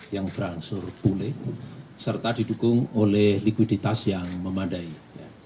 yang berangsur pulih serta didukung oleh likuiditas yang memadai